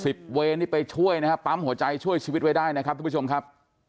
เวรนี่ไปช่วยนะฮะปั๊มหัวใจช่วยชีวิตไว้ได้นะครับทุกผู้ชมครับ